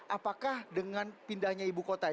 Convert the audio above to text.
apakah dengan pindahnya ibu kota